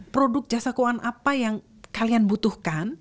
produk jasa keuangan apa yang kalian butuhkan